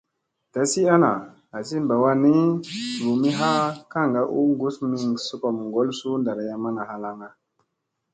Dasi ana, asi ɓa wannii, juɓumi ha kaŋga u gus mi sogom ŋgol suu ɗarayamma halaŋga.